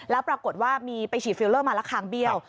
แล้วปรากฏว่ามีไปฉีดฟิลเลอร์มาแล้วคางเบี้ยว